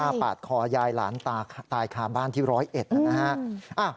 ค่าปาดคอยายหลานตายคามบ้านที่๑๐๑นะครับ